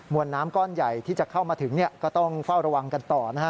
วนน้ำก้อนใหญ่ที่จะเข้ามาถึงก็ต้องเฝ้าระวังกันต่อนะฮะ